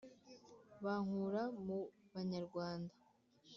bankura mu banyarwanda! »